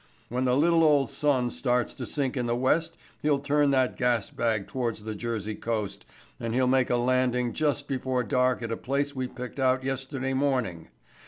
When the little old sun starts to sink in the west he'll turn that gas bag towards the Jersey coast and he'll make a landing just before dark at a place we picked out yesterday morning.